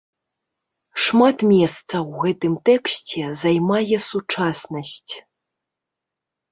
Шмат месца ў гэтым тэксце займае сучаснасць.